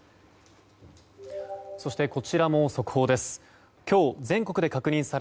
そしてこちらも速報です。